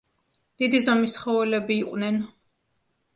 დიდი ზომის ცხოველები იყვნენ.